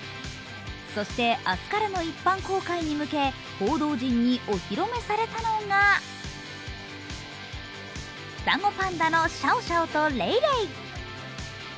そして明日からの一般公開に向け報道陣にお披露目されたのが双子パンダのシャオシャオとレイレイ。